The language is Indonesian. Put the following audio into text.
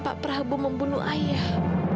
pak prabu membunuh ayah